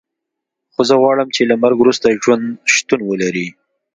خو زه غواړم چې له مرګ وروسته ژوند شتون ولري